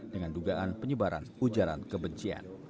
dengan dugaan penyebaran ujaran kebencian